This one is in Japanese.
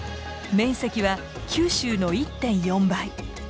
面積は九州の１．４倍。